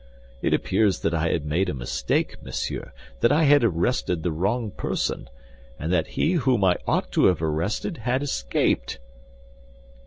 It appears that I had made a mistake, monsieur, that I had arrested the wrong person, and that he whom I ought to have arrested had escaped."